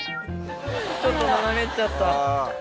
ちょっと斜めっちゃった。